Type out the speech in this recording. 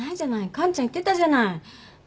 完ちゃん言ってたじゃない。